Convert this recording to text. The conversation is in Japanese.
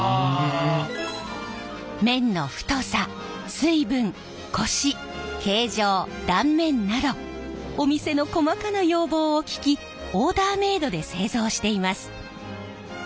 水分コシ形状断面などお店の細かな要望を聞きオーダーメードで製造しています。